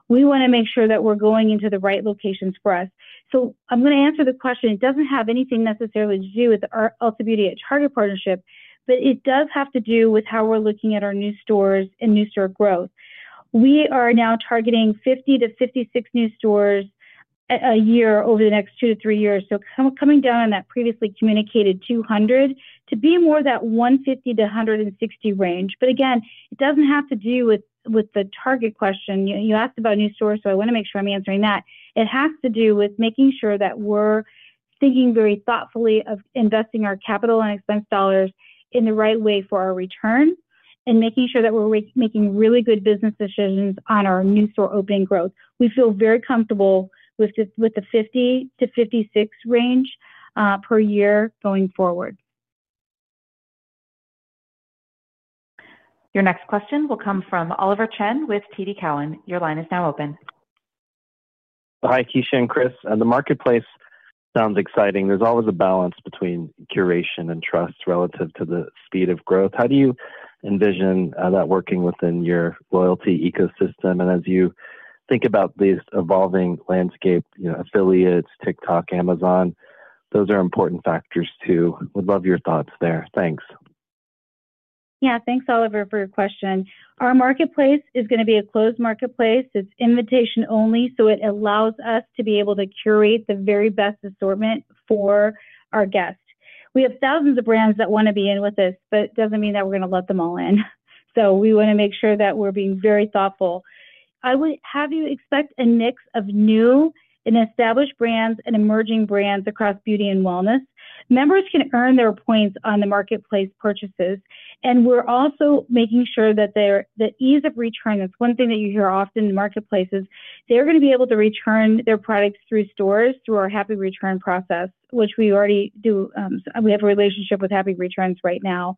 We want to make sure that we're going into the right locations for us. I'm going to answer the question. It doesn't have anything necessarily to do with Ulta Beauty at Target partnership, but it does have to do with how we're looking at our new stores and new store growth. We are now targeting 50-56 new stores a year over the next two to three years, coming down on that previously communicated 200 to be more of that 150-160 range. Again, it doesn't have to do with the Target question you asked about new stores. I want to make sure I'm answering that. It has to do with making sure that we're thinking very thoughtfully of investing our capital and expense dollars in the right way for our return and making sure that we're making really good business decisions on our new store opening growth. We feel very comfortable with the 50-56 range per year going forward. Your next question will come from Oliver Chen with TD Cowen. Your line is now open. Hi Kecia and Chris. The marketplace sounds exciting. There's always a balance between curation and trust relative to the speed of growth. How do you envision that working within your loyalty ecosystem? As you think about these evolving landscape, you know, affiliates, TikTok, Amazon, those are important factors too. Would love your thoughts there. Thanks. Yeah, thanks, Oliver, for your question. Our marketplace is going to be a closed marketplace. It's invitation only, so it allows us to be able to curate the very best assortment for our guests. We have thousands of brands that want to be in with us, but it doesn't mean that we're going to let them all in. We want to make sure that we're being very thoughtful. I would have you expect a mix of new and established brands and emerging brands across beauty and wellness. Members can earn their points on the marketplace purchases. We're also making sure that the ease of return, that's one thing that you hear often in marketplaces. They're going to be able to return their products through stores, through our happy return process, which we already do. We have a relationship with Happy Returns right now.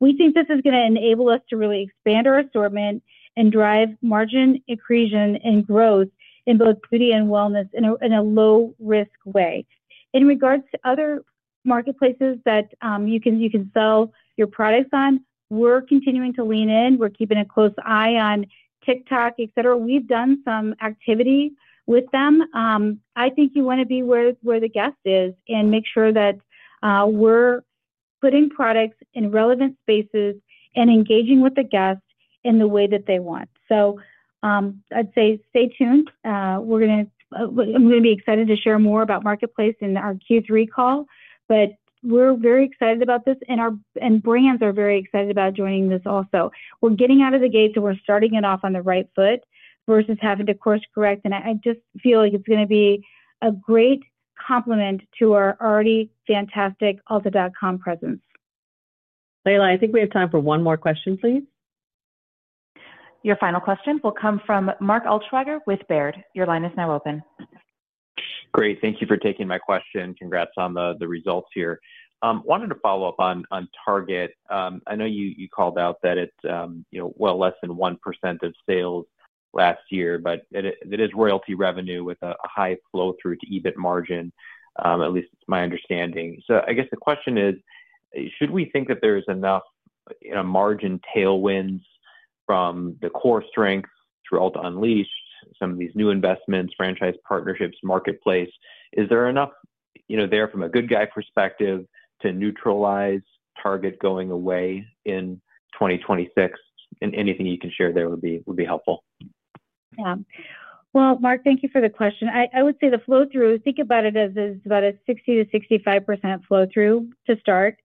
We think this is going to enable us to really expand our assortment and drive margin accretion and growth in both beauty and wellness in a low risk way. In regards to other marketplaces that you can sell your products on, we're continuing to lean in. We're keeping a close eye on TikTok, etc. We've done some activity with them. I think you want to be where the guest is and make sure that we're putting products in relevant spaces and engaging with the guests in the way that they want. I'd say stay tuned. I'm going to be excited to share more about Marketplace in our Q3 call, but we're very excited about this and our brands are very excited about joining this also. We're getting out of the gates and we're starting it off on the right foot versus having to course correct, and I just feel like it's going to be a great complement to our already fantastic ulta.com presence. Layla, I think we have time for one more question. Please. Your final question will come from Mark Altschwager with Baird. Your line is now open. Great. Thank you for taking my question. Congrats on the results here. Wanted to follow up on Target. I know you called out that it's well less than 1% of sales last year, but it is royalty revenue with a high flow through to EBIT margin, at least my understanding. I guess the question is should we think that there's enough margin tailwinds from the core strength through Ulta unleashed, some of these new investments, franchise partnerships, Marketplace. Is there enough there from a good guy perspective to neutralize Target going away in 2026, and anything you can share there would be helpful. Mark, thank you for the question. I would say the flow through, think about it as about a 60%-65% flow through to start.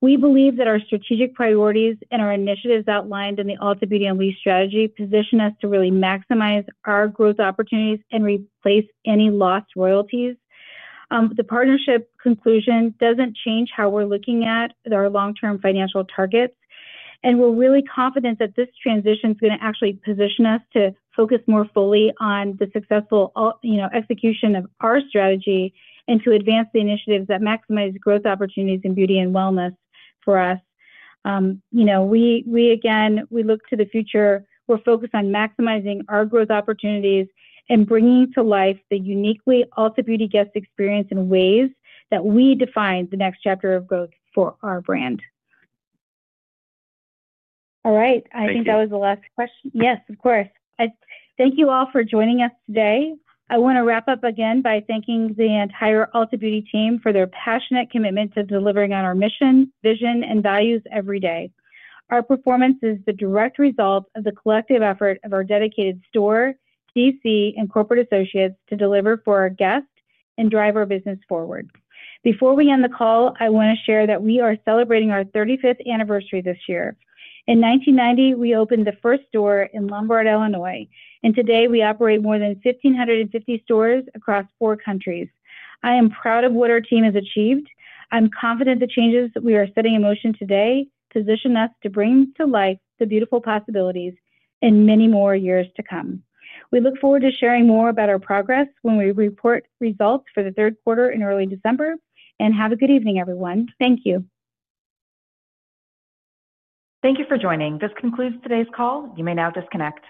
We believe that our strategic priorities and our initiatives outlined in the altitude and lease strategy position us to really maximize our growth opportunities and replace any lost royalties. The partnership conclusion doesn't change how we're looking at our long-term financial targets, and we're really confident that this transition is going to actually position us to focus more fully on the successful execution of our strategy and to advance the initiatives that maximize growth opportunities in beauty and wellness for us. We look to the future. We're focused on maximizing our growth opportunities and bringing to life the uniquely Ulta Beauty guest experience in ways that we define the next chapter of growth for our brand. I think that was the last question. Yes, of course. Thank you all for joining us today. I want to wrap up again by thanking the entire Ulta Beauty team for their passionate commitment to delivering on our mission, vision, and values every day. Our performance is the direct result of the collective effort of our dedicated store, DC, and corporate associates to deliver for our guests and drive our business forward. Before we end the call, I want to share that we are celebrating our 35th anniversary this year. In 1990, we opened the first store in Lombard, Illinois, and today we operate more than 1,550 stores across four countries. I am proud of what our team has achieved. I'm confident the changes we are setting in motion today position us to bring to life the beautiful possibilities and many more years to come. We look forward to sharing more about our progress when we report results for the third quarter in early December. Have a good evening, everyone. Thank you. Thank you for joining. This concludes today's call. You may now disconnect.